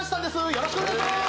よろしくお願いします